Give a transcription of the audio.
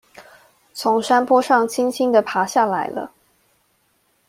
從山坡上輕輕地爬下來了